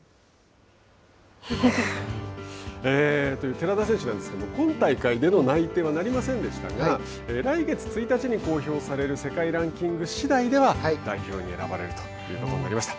寺田選手なんですけど今大会での内定はなりませんでしたが来月１日に公表される世界ランキング次第では代表に選ばれるということになりました。